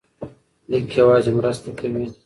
لیک یوازې مرسته کوي.